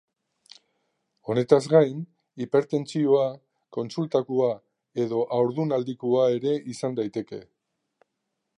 Honetaz gain, hipertentsioa kontsultakoa edo haurdunaldikoa ere izan daiteke.